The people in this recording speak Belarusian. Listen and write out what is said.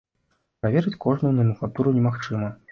Праверыць кожную наменклатуру немагчыма.